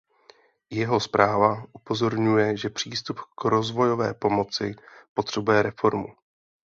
Jeho zpráva upozorňuje, že přístup k rozvojové pomoci potřebuje reformu.